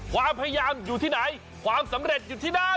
ความพยายามอยู่ที่ไหนความสำเร็จอยู่ที่ไหน